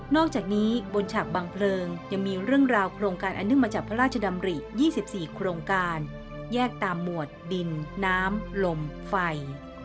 อกจากนี้บนฉากบางเพลิงยังมีเรื่องราวโครงการอันเนื่องมาจากพระราชดำริ๒๔โครงการแยกตามหมวดดินน้ำลมไฟ